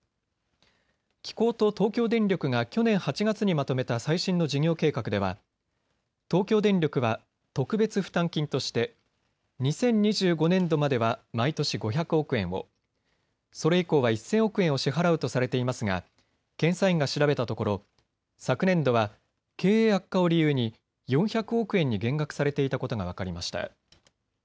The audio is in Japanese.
機構と東京電力が去年８月にまとめた最新の事業計画では東京電力は特別負担金として２０２５年度までは毎年５００億円を、それ以降は１０００億円を支払うとされていますが検査院が調べたところ昨年度は経営悪化を理由に４００億円に減額されていたことが分かりました。